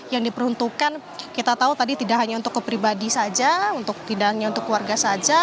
yang diperuntukkan kita tahu tadi tidak hanya untuk kepribadi saja untuk tidak hanya untuk keluarga saja